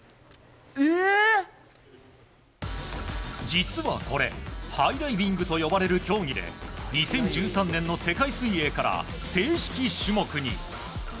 実はこれ、ハイダイビングと呼ばれる競技で２０１３年の世界水泳から正式種目に。